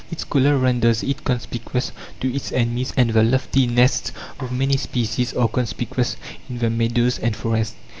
Its colour renders it conspicuous to its enemies, and the lofty nests of many species are conspicuous in the meadows and forests.